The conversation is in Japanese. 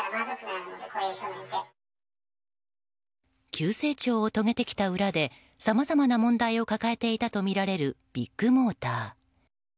急成長を遂げてきた裏でさまざまな問題を抱えていたとみられるビッグモーター。